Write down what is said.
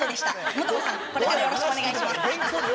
武藤さん、これからよろしくお願いします。